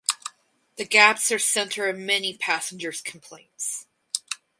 The gaps are center of many passengers complaints.